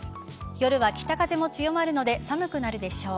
夜は北風も強まるので寒くなるでしょう。